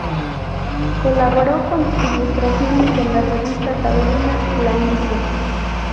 Colaboró con ilustraciones en la revista taurina "La Lidia".